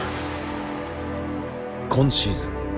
今シーズン